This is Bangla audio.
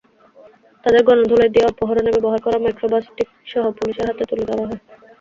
তাঁদের গণধোলাই দিয়ে অপহরণে ব্যবহার করা মাইক্রো-বাসটিসহ পুলিশের হাতে তুলে দেওয়া হয়।